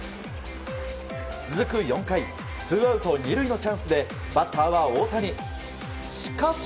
続く４回ツーアウト２塁のチャンスでバッターは大谷。